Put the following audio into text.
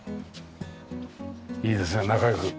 いいですね仲良く。